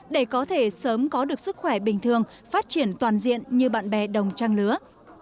để có thể sớm có được sức khỏe bình thường phát triển toàn diện như bạn bè đồng trang lứa